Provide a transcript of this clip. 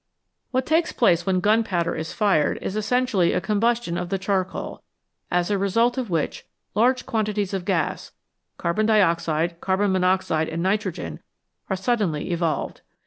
What takes place when gunpowder is fired is essentially a combustion of the charcoal, as a result of which large quantities of gas carbon dioxide, carbon monoxide, and nitrogen are suddenly evolved.